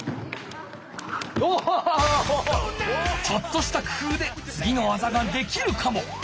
ちょっとしたくふうでつぎの技ができるかも。